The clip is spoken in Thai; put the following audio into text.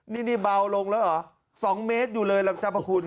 นี่เบาลงแล้วเหรอ๒เมตรอยู่เลยล่ะสรรพคุณ